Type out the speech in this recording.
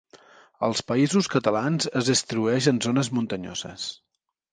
Als Països Catalans es distribueix en zones muntanyoses.